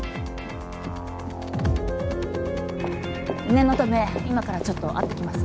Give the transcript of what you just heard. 念のため今からちょっと会ってきます。